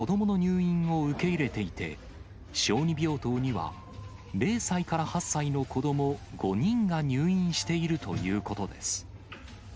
この病院は、杉並区で唯一、コロナに感染した子どもの入院を受け入れていて、小児病棟には０歳から８歳の子ども５人が入院しているということです。